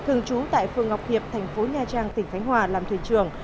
thường trú tại phường ngọc hiệp thành phố nha trang tỉnh khánh hòa làm thuyền trưởng